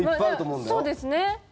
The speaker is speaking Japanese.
そうですね。